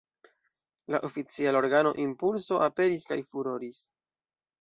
La oficiala organo "Impulso" aperis kaj "furoris".